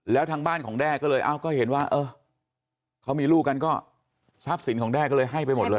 แล้วทางบ้านของแด้ก็เลยเอ้าก็เห็นว่าเออเขามีลูกกันก็ทรัพย์สินของแด้ก็เลยให้ไปหมดเลย